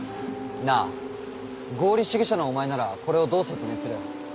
なあ合理主義者のお前ならこれをどう説明する？